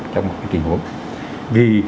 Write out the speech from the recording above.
trong mọi cái tình huống vì